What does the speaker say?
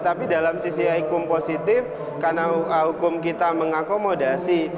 tapi dalam sisi hukum positif karena hukum kita mengakomodasi